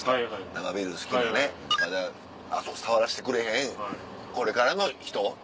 生ビール好きなねまだあそこ触らしてくれへんこれからの人。